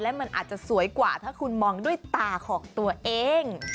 มันอาจจะสวยกว่าถ้าคุณมองด้วยตาของตัวเอง